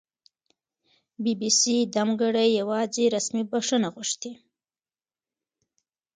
بي بي سي دمګړۍ یواځې رسمي بښنه غوښتې